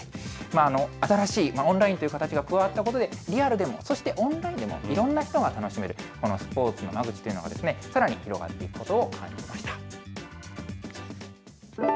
新しいオンラインという形が加わったことで、リアルでも、そしてオンラインでも、いろんな人が楽しめる、このスポーツの間口というのが、さらに広がっていくことを感じました。